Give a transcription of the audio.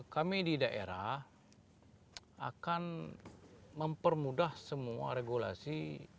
kami di daerah akan mempermudah semua regulasi